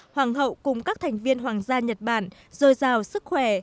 hoàng hậu cùng các thành viên hoàng gia nhật bản rồi rào sức khỏe